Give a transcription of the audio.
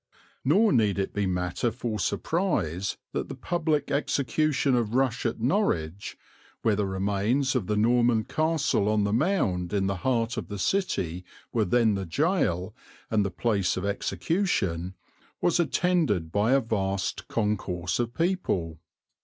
Nor need it be matter for surprise that the public execution of Rush at Norwich, where the remains of the Norman castle on the Mound in the heart of the city were then the gaol and the place of execution, was attended by a vast concourse of people.